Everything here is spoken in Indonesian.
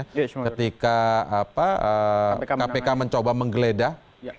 ketika kpk mencoba menggeledah